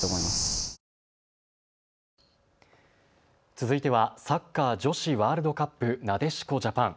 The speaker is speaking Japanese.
続いてはサッカー女子ワールドカップなでしこジャパン。